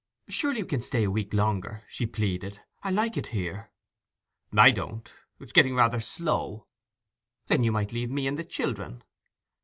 'Surely we can stay a week longer?' she pleaded. 'I like it here.' 'I don't. It is getting rather slow.' 'Then you might leave me and the children!